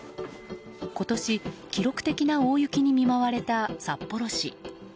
今年、記録的な大雪に見舞われた札幌市。